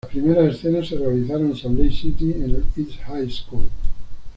Las primeras escenas se realizaron en Salt Lake City en el East High School.